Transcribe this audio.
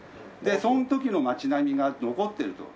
その時の街並みが残っていると。